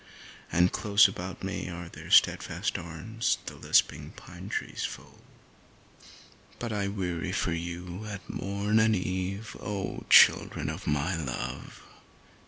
And close about me their steadfast arms the lisping pine trees fold. But I weary for you at morn and eve, O, children of my love.